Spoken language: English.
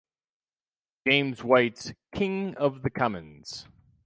James White's "King of the Commons".